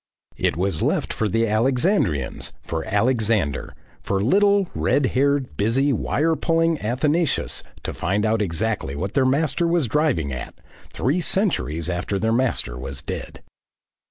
It was left for the Alexandrians, for Alexander, for little, red haired, busy, wire pulling Athanasius to find out exactly what their Master was driving at, three centuries after their Master was dead.